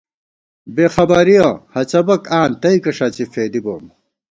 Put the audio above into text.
بېخبَرِیَہ ہَڅَبَک آں تئیکہ ݭَڅی فېدِی بوم